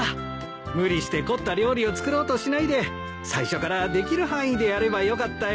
無理して凝った料理を作ろうとしないで最初からできる範囲でやればよかったよ。